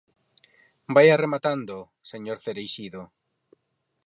Vaia rematando, señor Cereixido.